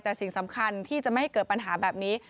แต่สิ่งสำคัญที่จะไม่ให้เกิดปัญหาแบบนี้